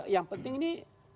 yang penting ini